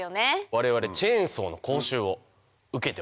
我々チェーンソーの講習を受けておりまして。